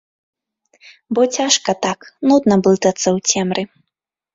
Бо цяжка так, нудна блытацца ў цемры.